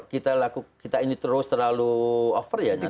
kita ini terus terlalu over ya